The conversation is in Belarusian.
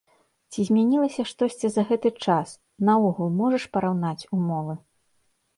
Ці змянілася штосьці за гэты час, наогул можаш параўнаць умовы?